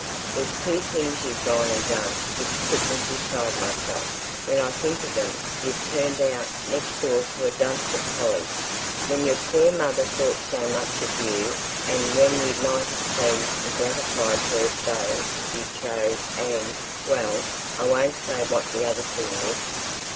There's two things you've gone and done which put me beside myself, when I think of them; you've turned out next door to a dunce at college, when your poor mother thought so much of you and when you might have pleased and gratified her so if you chose and, well! I won't say what the other thing is."